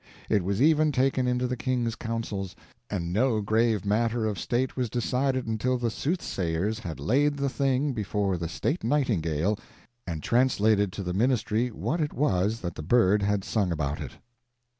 It was even taken into the king's councils; and no grave matter of state was decided until the soothsayers had laid the thing before the state nightingale and translated to the ministry what it was that the bird had sung about it.